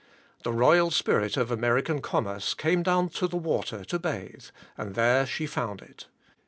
The royal spirit of American commerce came down to the water to bathe; and there she found it.